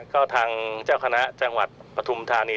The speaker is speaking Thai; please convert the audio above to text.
ก็ทางเจ้าคณะจังหวัดปฐุมธานี